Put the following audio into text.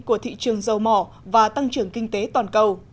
của thị trường dầu mỏ và tăng trưởng kinh tế toàn cầu